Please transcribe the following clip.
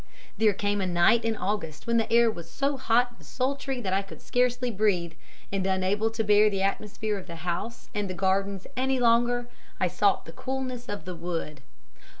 There came a night in August when the air was so hot and sultry that I could scarcely breathe, and unable to bear the atmosphere of the house and gardens any longer, I sought the coolness of the wood.